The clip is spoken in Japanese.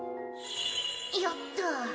よっと。